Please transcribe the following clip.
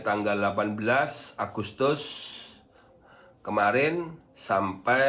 tanggal delapan belas agustus kemarin sampai